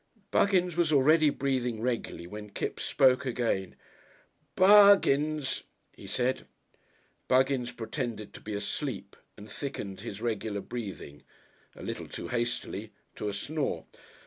Buggins was already breathing regularly when Kipps spoke again. "Bug gins," he said. Buggins pretended to be asleep, and thickened his regular breathing (a little too hastily) to a snore.